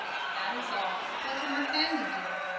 "That is all. What more can you do?